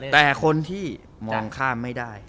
แต่คนที่มองข้ามไม่ได้